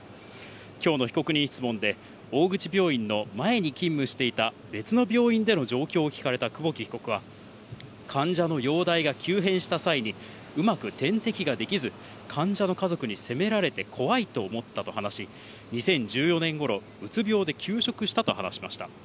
今日の被告人質問で大口病院の前に勤務していた別の病院での状況を聞かれた久保木被告は患者の容体が急変した際にうまく点滴ができず、患者の家族に責められて怖いと思ったと話し、２０１４年頃、うつ病で休職したと話しました。